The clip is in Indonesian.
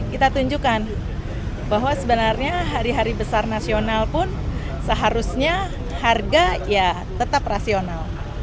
kita tunjukkan bahwa sebenarnya hari hari besar nasional pun seharusnya harga ya tetap rasional